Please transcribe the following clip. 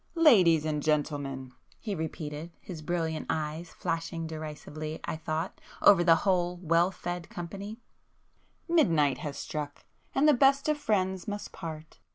"Ladies and gentlemen!" he repeated, his brilliant eyes flashing derisively, I thought, over the whole well fed company, "Midnight has struck and the best of friends must part!